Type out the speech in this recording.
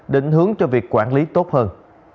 định hướng cho việc quản lý tốt hơn